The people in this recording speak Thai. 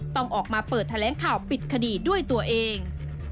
ต้องออกมาเปิดแถลงข่าวปิดคดีด้วยตัวเอง